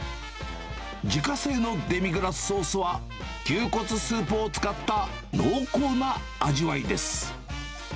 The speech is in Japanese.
自家製のデミグラスソースは、牛骨スープを使った濃厚な味わいです。